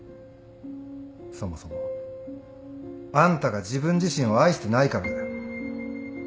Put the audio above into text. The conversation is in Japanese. そもそもあんたが自分自身を愛してないからだよ。